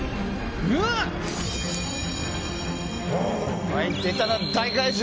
おい、出たな大怪獣！